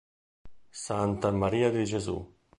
Santa Maria di Gesù